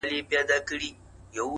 په تهمتونو کي بلا غمونو،